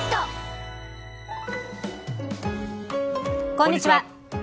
こんにちは。